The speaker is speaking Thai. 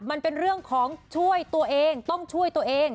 มันเป็นเรื่องของช่วยตัวเองต้องช่วยตัวเอง